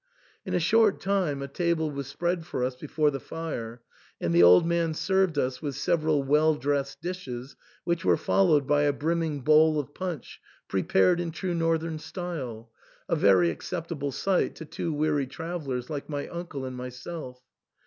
In a short time a table was spread for us before the fire, and the old man served us with several well dressed dishes, which were followed by a brimming bowl of punch, prepared in true Northern style, — a very acceptable sight to two weary travellers like my uncle and myself.